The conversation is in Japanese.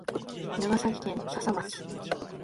長崎県佐々町